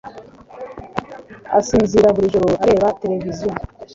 asinzira buri joro areba televiziyo